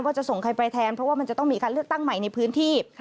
จะส่งใครไปแทนเพราะว่ามันจะต้องมีการเลือกตั้งใหม่ในพื้นที่